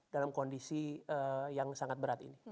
dalam kondisi yang sangat berat ini